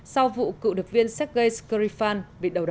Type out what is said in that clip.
sau vụ cựu đợt viên sergei skrifan bị đầu đầu